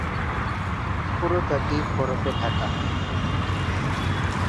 পুরোটা দ্বীপ বরফে ঢাকা।